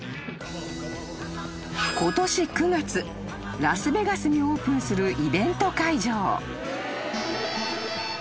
［今年９月ラスベガスにオープンするイベント会場］